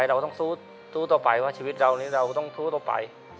เราสู้ตัวไปว่าชีวิตเรานี้เราต้องต้องสู้ตัวไป